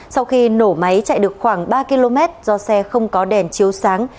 sau khi nổ máy chạy được khoảng ba km do xe không có đèn chiếu sáng